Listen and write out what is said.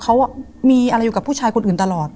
เขามีอะไรอยู่กับผู้ชายคนอื่นตลอด